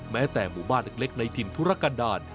แม้แต่หมู่บ้านเล็กในถิ่นธุรกันดาล